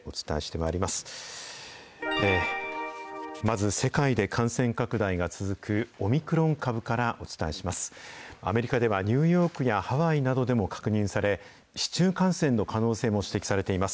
まず、世界で感染拡大が続くオミクロン株からお伝えします。